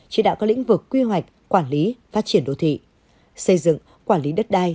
chỉ đạo các lĩnh vực quy hoạch quản lý phát triển đô thị xây dựng quản lý đất đai